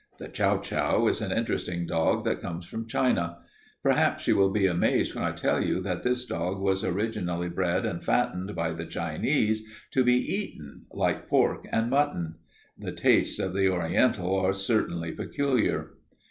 The chow chow is an interesting dog that comes from China. Perhaps you will be amazed when I tell you that this dog was originally bred and fattened by the Chinese to be eaten like pork and mutton. The tastes of the Oriental are certainly peculiar.